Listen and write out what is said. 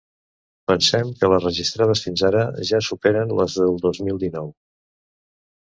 Pensem que les registrades fins ara ja superen les del dos mil dinou.